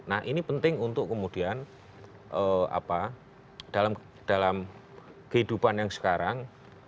nah ini penting untuk kemudian dalam kehidupan yang sekarang